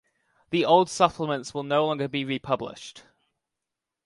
The old supplements will no longer be republished.